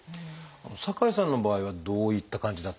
酒井さんの場合はどういった感じだったんでしょう？